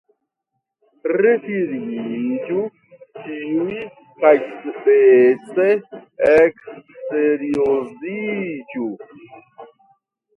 Retiriĝu, ĉiuj, kaj dece ekserioziĝu.